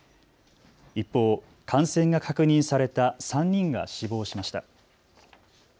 一方、感染が確認された３人が死亡しました。